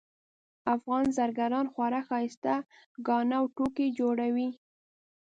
افغان زرګران خورا ښایسته ګاڼه او توکي جوړوي